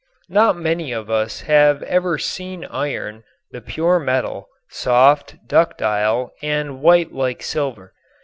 ] Not many of us have ever seen iron, the pure metal, soft, ductile and white like silver.